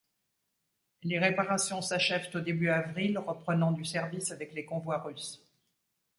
Les réparations s'achèvent au début d'avril, reprenant du service avec les convois russes.